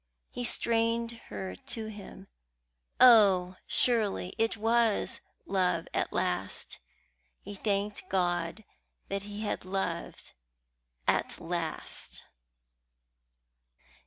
He strained her to him. Oh, surely it was love at last! He thanked God that he loved at last.